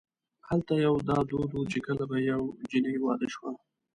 هلته یو دا دود و چې کله به یوه جنۍ واده شوه.